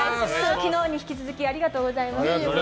昨日に引き続きありがとうございます。